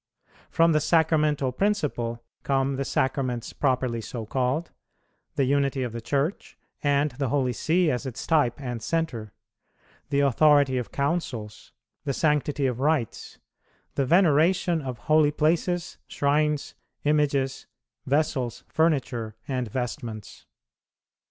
From the Sacramental principle come the Sacraments properly so called; the unity of the Church, and the Holy See as its type and centre; the authority of Councils; the sanctity of rites; the veneration of holy places, shrines, images, vessels, furniture, and vestments.